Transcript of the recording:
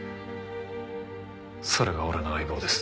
それが俺の相棒です。